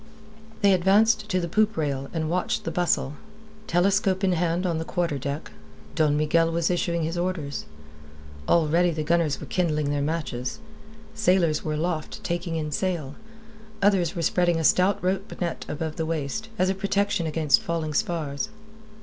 They advanced to the poop rail, and watched the bustle. Telescope in hand on the quarter deck, Don Miguel was issuing his orders. Already the gunners were kindling their matches; sailors were aloft, taking in sail; others were spreading a stout rope net above the waist, as a protection against falling spars.